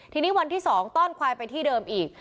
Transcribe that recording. ทีนี้วันที่๒ต้อนควายไปที่เดิมอีก